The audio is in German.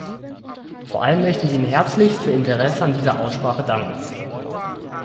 Vor allem möchte ich Ihnen herzlichst für Ihr Interesse an dieser Aussprache danken.